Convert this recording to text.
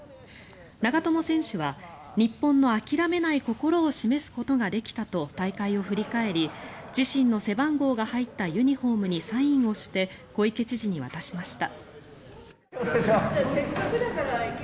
長友選手は日本の諦めない心を示すことができたと大会を振り返り自身の背番号が入ったユニホームにサインをして小池知事に渡しました。